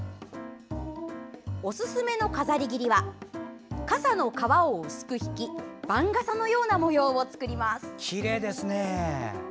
おすすめの飾り切りはかさの皮を薄く引き番傘のような模様を作ります。